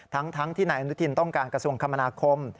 ทั้งที่นายอนุทินต้องการกระทรวงคมนาคม